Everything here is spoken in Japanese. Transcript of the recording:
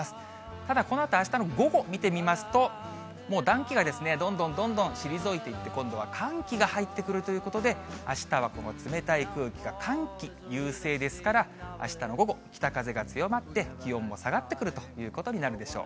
ただこのあと、あしたの午後見てみますと、もう暖気がどんどんどんどん退いていって、今度は寒気が入ってくるということで、あしたはこの冷たい空気が、寒気優勢ですから、あしたの午後、北風が強まって、気温も下がってくるということになるでしょう。